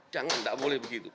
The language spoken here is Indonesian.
jangan tidak boleh begitu